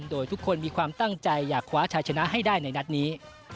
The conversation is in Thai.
โดยทุกคนมีความตั้งใจอยากคว้าชัยชนะให้ได้ในนัดนี้